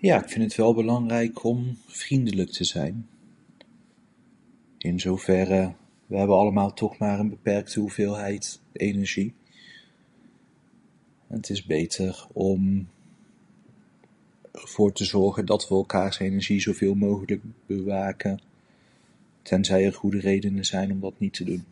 Ja, ik vind het wel belangrijk om vriendelijk te zijn. In zoverre: We hebben allemaal toch maar een beperkte hoeveelheid energie. Het is beter om er voor te zorgen dat we elkaars energie zo veel mogelijk bewaken tenzij er goede redenen zijn om dat niet te doen.